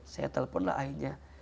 saya telepon lah akhirnya